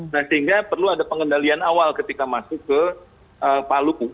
sehingga perlu ada pengendalian awal ketika masuk ke palu